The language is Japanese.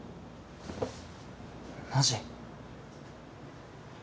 マジ？